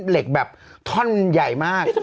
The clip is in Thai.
เหล็กแบบท่อนใหญ่มาก